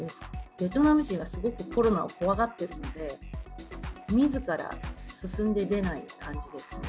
ベトナム人はすごくコロナを怖がってるんで、みずから進んで出ない感じですね。